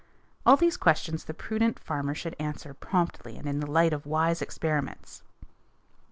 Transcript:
All these questions the prudent farmer should answer promptly and in the light of wise experiments.